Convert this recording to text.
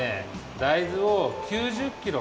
大豆を９０キロ。